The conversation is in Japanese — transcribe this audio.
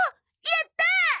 やったー！